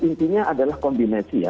intinya adalah kombinasi